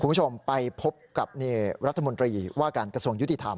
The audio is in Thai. คุณผู้ชมไปพบกับรัฐมนตรีว่าการกระทรวงยุติธรรม